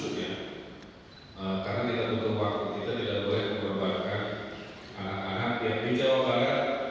karena kita butuh waktu kita tidak boleh memperbaikan anak anak yang di jawa barat